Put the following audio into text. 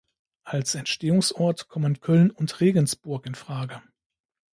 Als Entstehungsort kommen Köln und Regensburg in Frage.